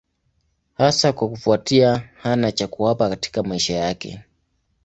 Hasa kwa kufuatia hana cha kuwapa katika maisha yake.